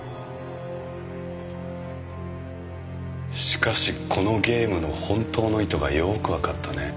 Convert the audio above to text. しかしこのゲームの本当の意図がよーくわかったね。